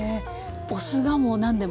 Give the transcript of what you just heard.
お酢がもう何でも。